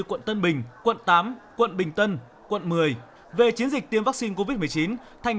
quận chín quận một mươi quận một mươi một quận một mươi hai quận một mươi ba